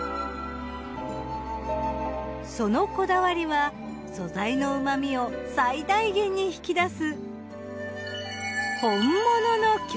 そのこだわりは素材の旨みを最大限に引き出す。